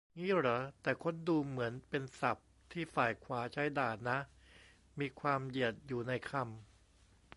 งี้เหรอ แต่ค้นดูเหมือนเป็นศัพท์ที่ฝ่ายขวาใช้ด่านะ มีความเหยียดอยู่ในคำ